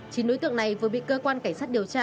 chín đối tượng này vừa bị cơ quan cảnh sát điều tra